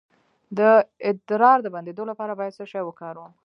د ادرار د بندیدو لپاره باید څه شی وکاروم؟